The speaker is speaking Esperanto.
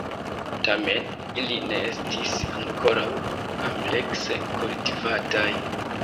Tamen, ili ne estis ankoraŭ amplekse kultivataj.